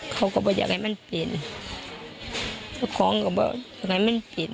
เขาก็บอกว่าอยากให้มันเป็นของก็บอกว่าอยากให้มันเป็น